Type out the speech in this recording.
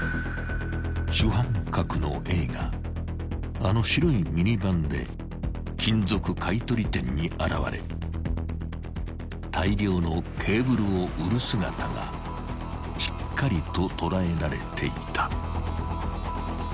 ［主犯格のＡがあの白いミニバンで金属買い取り店に現れ大量のケーブルを売る姿がしっかりと捉えられていた］